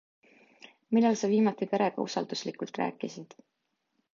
Millal sa viimati perega usalduslikult rääkisid?